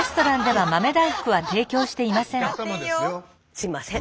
すいません。